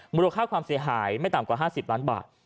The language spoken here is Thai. มูลค่าความเสียหายไม่ต่ำกว่า๕๐ล้านบาท